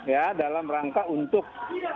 ya dalam rangka untuk